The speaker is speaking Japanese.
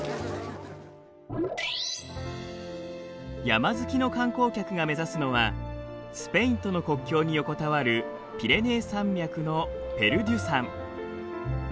山好きの観光客が目指すのはスペインとの国境に横たわるピレネー山脈のペルデュ山。